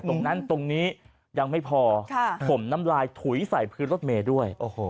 ตรงนั้นตรงนี้ยังไม่พอผมน้ำลายถุยใส่พื้นรถเมย์ด้วย